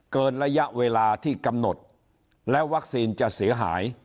เกินระยะเวลาที่กำหนดแล้ววัคซีนจะเสียหาย